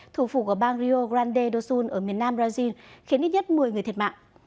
thủ phủ của bang rio grande do sul ở miền nam brazil khiến ít nhất một mươi người thiệt mạng